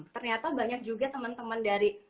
ternyata banyak juga teman teman dari